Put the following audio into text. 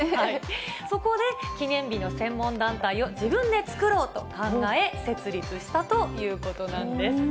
そこで、記念日の専門団体を自分で作ろうと考え、設立したということなんです。